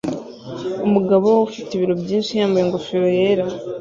Umugabo ufite ibiro byinshi yambaye ingofero yera